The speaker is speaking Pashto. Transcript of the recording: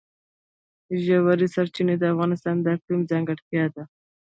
ژورې سرچینې د افغانستان د اقلیم ځانګړتیا ده.